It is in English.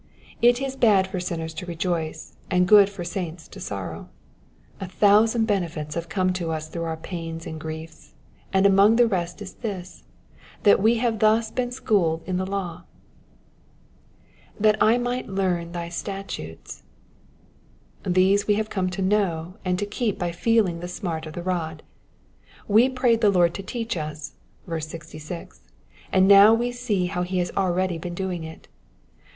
It is bad for sinners to rejoice, and ^ood for saints to sorrow. A thousand benefits have come to us through our pains and griefs, and among the rest is this — that we have thus been schooled in the law. ''''That I might learn thy statute^,'''' These we have come to know and to keep by feeling the smart of the rod. We prayed the Lord to teach us (66), ana now we see how he has already been doing it.